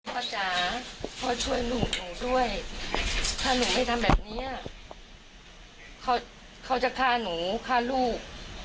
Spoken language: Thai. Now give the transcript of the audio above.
จ๋าพ่อช่วยลูกหนูด้วยถ้าหนูไม่ทำแบบนี้เขาจะฆ่าหนูฆ่าลูก